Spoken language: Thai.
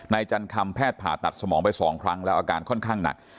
จันคำแพทย์ผ่าตัดสมองไป๒ครั้งแล้วอาการค่อนข้างหนัก